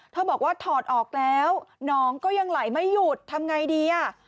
บอกว่าถอดออกแล้วน้องก็ยังไหลไม่หยุดทำไงดีอ่ะ